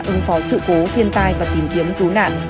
ứng phó sự cố thiên tai và tìm kiếm cứu nạn